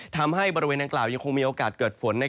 ทำให้บริเวณดังกล่าวยังคงมีโอกาสเกิดฝน